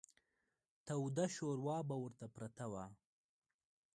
توده شوروا به ورته پرته وه.